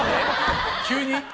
急に？